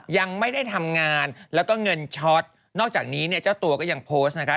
ยังไม่ได้ทำงานแล้วก็เงินช็อตนอกจากนี้เนี่ยเจ้าตัวก็ยังโพสต์นะคะ